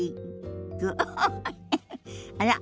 あら？